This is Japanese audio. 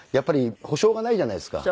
保証がないじゃないですか。